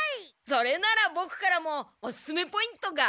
それならボクからもおすすめポイントが！